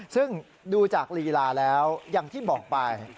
ซึ่งดูจากลีลาแล้วอย่างที่บอกไป